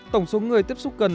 tổng số người tiếp xúc gần